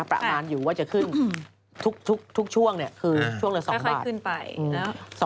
ประมาณอยู่ว่าจะขึ้นทุกช่วงเนี่ยคือช่วงละ๒บาท